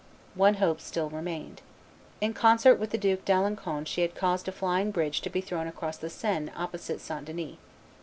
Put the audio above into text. One hope still remained. In concert with the Duke d'Alencon she had caused a flying bridge to be thrown across the Seine opposite St. Denis.